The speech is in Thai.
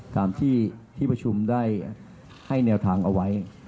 ตามที่ที่ประชุมได้ให้แนวทางเอาไว้